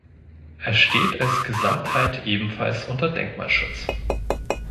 Er steht als Gesamtheit ebenfalls unter Denkmalschutz.